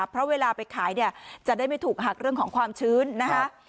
เพราะเวลาไปขายเนี่ยจะได้ไม่ถูกหักเรื่องของความชื้นนะคะ